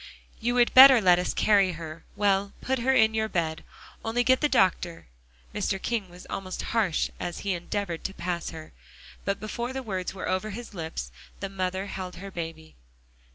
"You would better let us carry her; well put her in your bed. Only get the doctor." Mr. King was almost harsh as he endeavored to pass her. But before the words were over his lips, the mother held her baby.